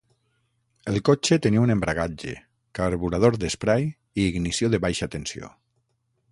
El cotxe tenia un embragatge, carburador d'esprai i ignició de baixa tensió.